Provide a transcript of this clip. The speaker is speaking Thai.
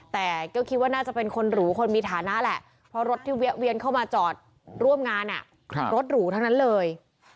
แต่ก็คิดว่าน่าจะเป็นคนหรูคนมีฐานะแหละเพราะรถที่เวียนเข้ามาจอดร่วมงานรถหรูทั้งนั้นเลย